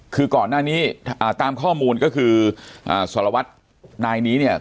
คือก่อนหน้านี้ตามข้อมูลก็คือสารวัตรนายนี้เนี่ย